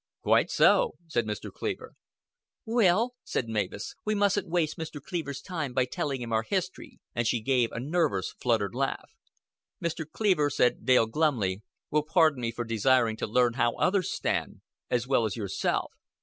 "Quite so," said Mr. Cleaver. "Will," said Mavis, "we mustn't waste Mr. Cleaver's time by telling him our history;" and she gave a nervous fluttered laugh. "Mr. Cleaver," said Dale glumly, "will pardon me for desiring to learn how others stand, as well as yourself."